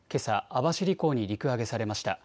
網走港に陸揚げされました。